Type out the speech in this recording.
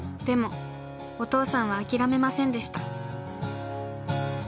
でもお父さんは諦めませんでした。